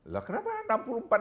loh kenapa enam puluh empat